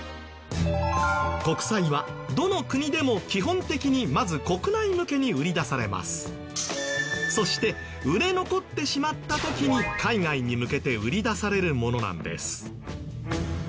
国債はどの国でも基本的にそして売れ残ってしまった時に海外に向けて売り出されるものなんです。